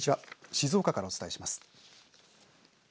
静岡からお伝えします。